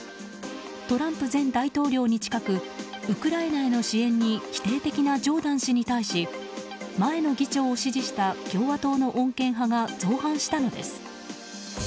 トランプ前大統領に近くウクライナへの支援に否定的なジョーダン氏に対し前の議長を支持した共和党の穏健派が造反したのです。